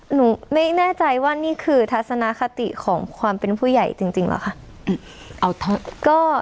หนูไม่แน่ใจว่านี่คือทัศนคติของความเป็นผู้ใหญ่จริงเหรอคะ